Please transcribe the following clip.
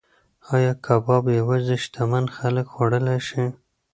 ایا کباب یوازې شتمن خلک خوړلی شي؟